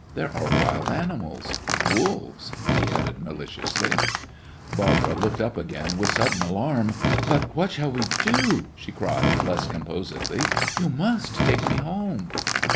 There are wild animals wolves!" he added, maliciously. Barbara looked up again with sudden alarm. "But what shall we do?" she cried, less composedly. "You must take me home!"